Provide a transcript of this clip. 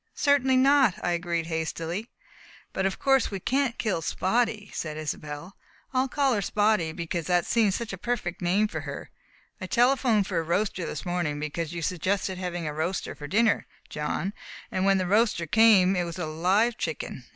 "Certainly not!" I agreed hastily. "But of course we can't kill Spotty," said Isobel. "I call her Spotty because that seems such a perfect name for her. I telephoned for a roaster this morning, because you suggested having a roaster for dinner, John, and when the roaster came it was a live chicken!